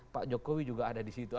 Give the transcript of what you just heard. pak jokowi juga ada disitu